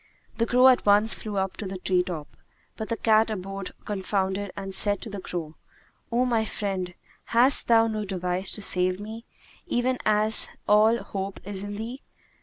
The crow at once flew up to the tree top; but the cat abode confounded and said to the crow, "O my friend, hast thou no device to save me, even as all my hope is in thee?"